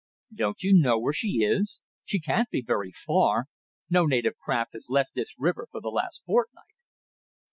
"Don't you know where she is? She can't be very far. No native craft has left this river for the last fortnight."